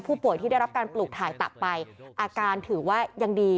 ที่ได้รับการปลูกถ่ายตับไปอาการถือว่ายังดี